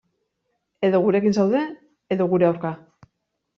Edo gurekin zaude, edo gure aurka.